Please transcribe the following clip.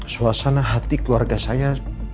suasana hati keluarga saya